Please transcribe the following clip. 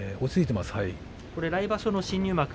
来場所新入幕